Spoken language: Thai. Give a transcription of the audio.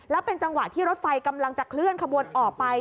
แล้วเป็นจังหวะที่รถไฟกำลังจะเคลื่อนขบวนออกไป